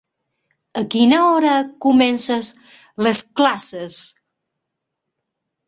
A quina hora comences les classes?